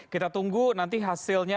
kita tunggu nanti hasilnya